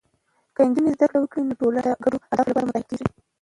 که نجونې زده کړه وکړي، نو ټولنه د ګډو اهدافو لپاره متحدېږي.